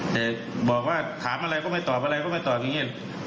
แต่บอกว่าถามอะไรก็ไม่ตอบอะไรก็ไม่ตอบอย่างนี้